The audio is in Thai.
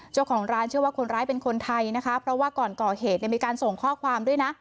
เจ้าของร้านเชื่อว่าคนร้ายเป็นคนไทยนะคะเพราะว่าก่อนก่อเหตุเนี่ยมีการส่งข้อความด้วยนะ